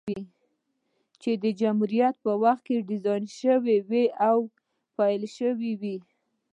چې د جمهوريت په وخت کې ډيزاين شوې او پېل شوې وې،